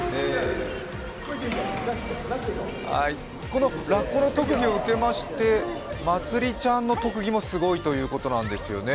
このラッコの特技を受けましてまつりちゃんの特技もすごいということなんですよね。